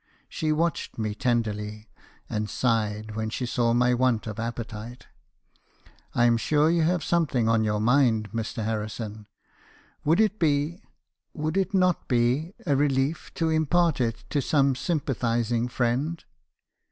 She watched me tenderly, and sighed when she saw my want of appetite. "' I am sure you have something on your mind , Mr. Harri son. Would it be — would it not be — a relief to impart it te some sympathising friend?'